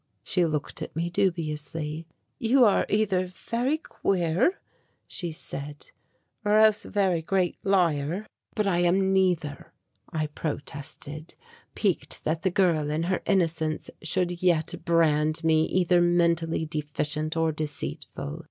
She looked at me dubiously. "You are either very queer," she said, "or else a very great liar." "But I am neither," I protested, piqued that the girl in her innocence should yet brand me either mentally deficient or deceitful.